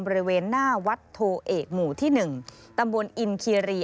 บริเวณหน้าวัดโทเอกหมู่ที่๑ตำบลอินคีรี